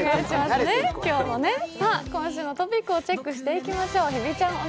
今週のトピックをチェックしていきましょう。